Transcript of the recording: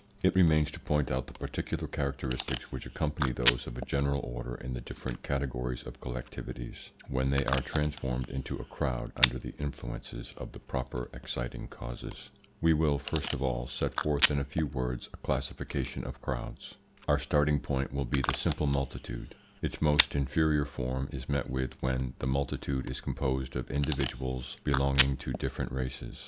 It remains to point out the particular characteristics which accompany those of a general order in the different categories of collectivities, when they are transformed into a crowd under the influences of the proper exciting causes. We will, first of all, set forth in a few words a classification of crowds. Our starting point will be the simple multitude. Its most inferior form is met with when the multitude is composed of individuals belonging to different races.